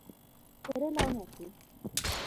Ere law nyathi?